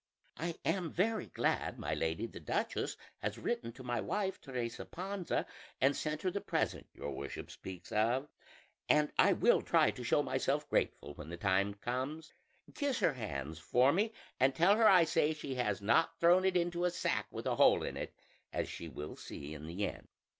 "I am very glad my lady the duchess has written to my wife Teresa Panza and sent her the present your worship speaks of; and I will try to show myself grateful when the time comes: kiss her hands for me, and tell her I say she has not thrown it into a sack with a hole in it, as she will see in the end.